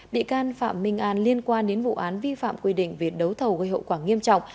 bị can phạm minh an liên quan đến vụ án vi phạm quy định về đấu thầu gây hậu quả nghiêm trọng